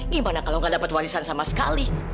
gimana kalau gak dapat warisan sama sekali